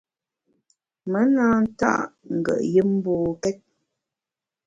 Me na nta’ ngùet yùm mbokét.